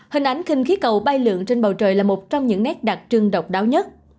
hình ảnh khinh khí cầu bay lượn trên bầu trời là một trong những nét đặc trưng độc đáo nhất